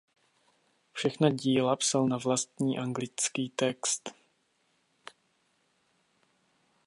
Všechna další díla psal na vlastní anglický text.